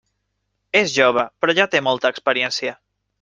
És jove, però ja té molta experiència.